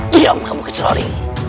diam kamu kecerari